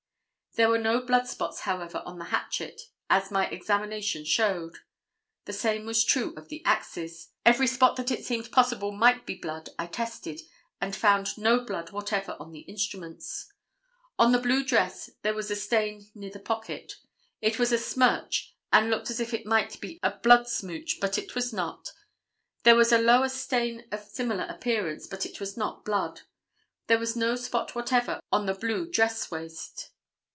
There were no blood spots, however, on the hatchet, as my examination showed. The same was true of the axes. Every spot that it seemed possible might be blood I tested, and found no blood whatever on the instruments. On the blue dress there was a stain near the pocket. It was a smirch and looked as if it might be a blood smooch, but it was not. There was a lower stain of similar appearance, but it was not blood. There was no spot whatever on the blue dress waist.